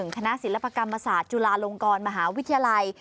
คณะศิลปกรรมศาสตร์จุฬาลงกรมหาวิทยาลัย